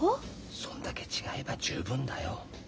そんだけ違えば十分だよ。